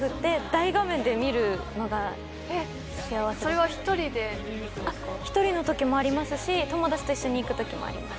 それは１人で見にいくんですか１人のときもありますし友達と一緒に行くときもあります